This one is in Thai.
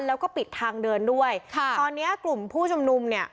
แล้วก็ปิดทางเดินด้วยค่ะตอนเนี้ยกลุ่มผู้ชุมนุมเนี่ย